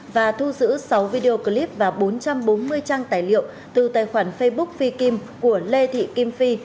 và thu giữ sáu video clip và bốn trăm bốn mươi trang tài liệu từ tài khoản facebook phi kim của lê thị kim phi